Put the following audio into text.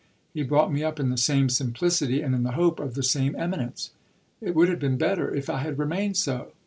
He brought me up in the same simplicity and in the hope of the same eminence. It would have been better if I had remained so.